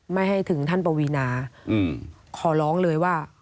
ไม่ให้ถึงท่านปวีนาขอร้องเลยว่า